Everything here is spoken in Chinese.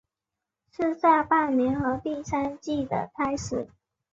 是下半年和第三季的开始。